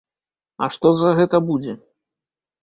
А што за гэта будзе?